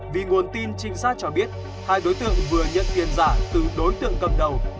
vì nguồn tin trinh sát cho biết hai đối tượng vừa nhận tiền giả từ đối tượng cầm đầu